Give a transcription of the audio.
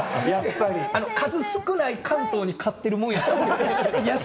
数少ない、関東に勝ってるもんやったんでね。